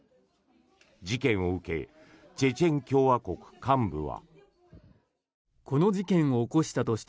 事件を受けチェチェン共和国幹部は。